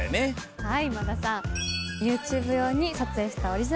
はい。